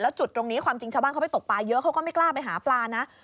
จุดตรงนี้ความจริงชาวบ้านเขาไปตกปลาเยอะเขาก็ไม่กล้าไปหาปลานะ